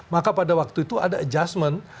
maka pada waktu itu ada adjustment